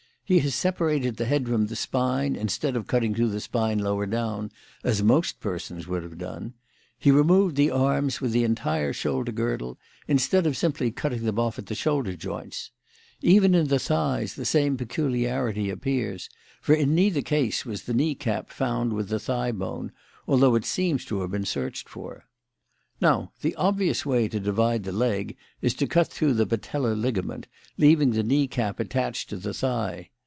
He has separated the head from the spine, instead of cutting through the spine lower down, as most persons would have done: he removed the arms with the entire shoulder girdle, instead of simply cutting them off at the shoulder joints. Even in the thighs the same peculiarity appears; for in neither case was the knee cap found with the thigh bone, although it seems to have been searched for. Now the obvious way to divide the leg is to cut through the patellar ligament, leaving the knee cap attached to the thigh.